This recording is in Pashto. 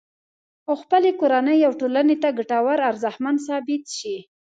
او خپلې کورنۍ او ټولنې ته ګټور او ارزښتمن ثابت شي